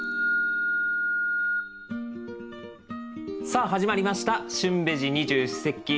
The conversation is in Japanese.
さあ始まりました「旬ベジ二十四節気」。